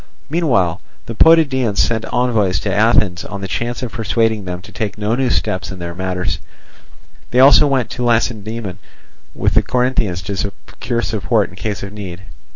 Meanwhile the Potidæans sent envoys to Athens on the chance of persuading them to take no new steps in their matters; they also went to Lacedaemon with the Corinthians to secure support in case of need.